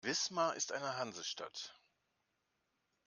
Wismar ist eine Hansestadt.